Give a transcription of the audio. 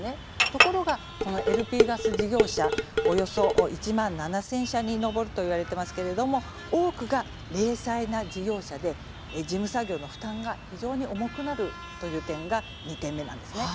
ところが、このＬＰガス事業者およそ１万７０００社に上るといわれていますけれども多くが零細な事業者で事務作業の負担が非常に重くなるという点が２点目なんですね。